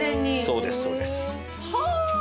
そうですそうです。はあ！